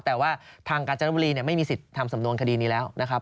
แต่ว่าทางกาญจนบุรีไม่มีสิทธิ์ทำสำนวนคดีนี้แล้วนะครับ